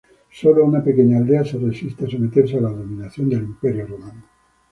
Sólo una pequeña aldea se resiste a someterse a la dominación del Imperio Romano.